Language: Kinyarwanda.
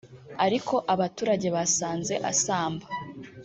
ariko abaturage basanze asamba